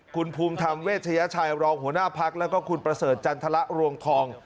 คุณภูมิธรรมเวชยชัยรองหัวหน้าพักแล้วก็คุณประเสริฐจันทรรวงทอง